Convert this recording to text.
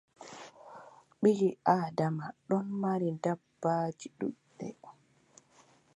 Ɓii Aadama ɗon mari dabbaaji ɗuuɗɗi.